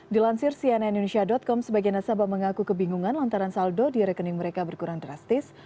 dilansir cnn indonesia com sebagian nasabah mengaku kebingungan lantaran saldo di rekening mereka berkurang drastis